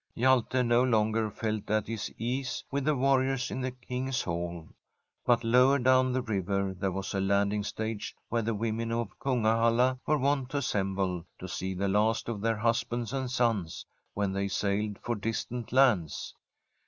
Hjalte no longer felt at his ease with the war riors in the King's Hall. But lower down the river there was a landing stage where the women of Kungahalla were wont to assemble to see the last of their husbands and sons, when they sailed for distant lands.